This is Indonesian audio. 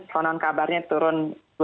konon kabarnya turun